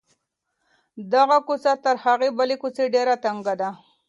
دغه کوڅه تر هغې بلې کوڅې ډېره تنګه ده.